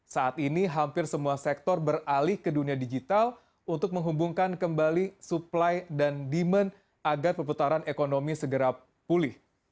saat ini hampir semua sektor beralih ke dunia digital untuk menghubungkan kembali supply dan demand agar perputaran ekonomi segera pulih